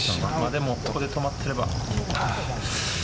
でもここで止まってれば。